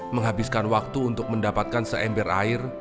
menghabiskan waktu untuk mendapatkan seember air